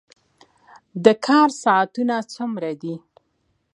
د کار ساعتونه څومره دي؟